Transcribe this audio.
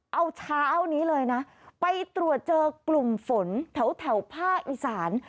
เอาเช้านี้เลยนะไปตรวจเจอกลุ่มฝนแถวภาคอีสาน